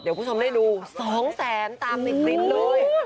เดี๋ยวคุณผู้ชมได้ดูสองแสนตามเล็กฤทธิ์เลย